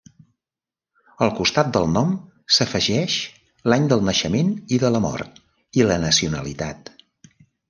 Al costat del nom s'afegeix l'any del naixement i de la mort, i la nacionalitat.